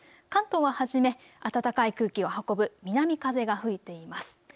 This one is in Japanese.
関東は初め暖かい空気を運ぶ南風が吹いています。